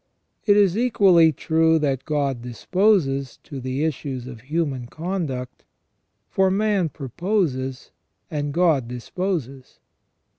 It is equally true that God disposes of the issues of human conduct ; for man proposes and God disposes.